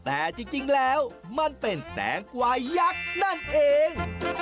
แต่จริงแล้วมันเป็นแตงกวายยักษ์นั่นเอง